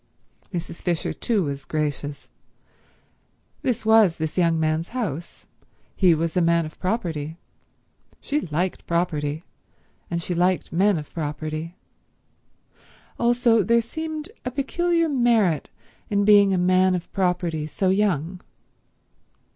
Mrs. Fisher too was gracious. This was this young man's house. He was a man of property. She liked property, and she liked men of property. Also there seemed a peculiar merit in being a man of property so young.